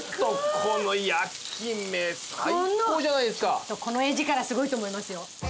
ちょっとこの絵力すごいと思いますよ。